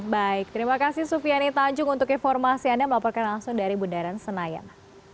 baik terima kasih sufiani tanjung untuk informasi anda melaporkan langsung dari bundaran senayan